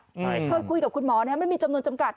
เคยคุยกับคุณหมอนะครับมันมีจำนวนจำกัด